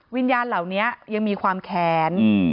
วิญญาณเหล่านี้ยังมีความแขน